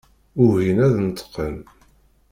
Ugin ad d-neṭqen.